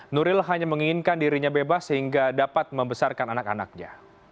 nuril hanya menginginkan dirinya bebas sehingga dapat membesarkan anak anaknya